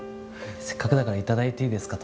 せっかくだから頂いていいですか？